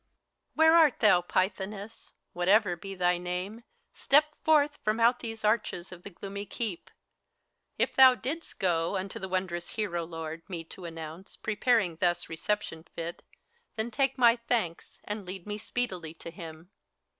HELENA. Where art thou, Pythoness ? Whatever be thy name, Step forth from out these arches of the gloomy keep ! If thou didst go, unto the wondrous hero lord Me to announce, preparing thus reception fit, Then take my thanks, and lead me speedily to him